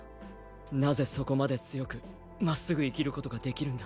なぜそこまで強くまっすぐ生きることができるんだ